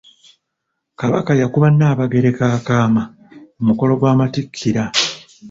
Kabaka yakuba Nabagereka akaama ku mukolo gw'amattikira.